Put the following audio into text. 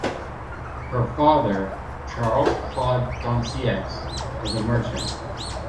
Her father, Charles Claude Doncieux, was a merchant.